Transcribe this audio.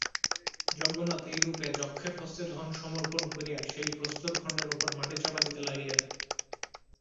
যজ্ঞনাথ এইরূপে যক্ষের হস্তে ধন সমর্পণ করিয়া সেই প্রস্তরখণ্ডের উপর মাটি চাপা দিতে লাগিলেন।